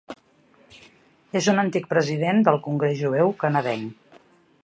És un antic president del Congrés jueu canadenc.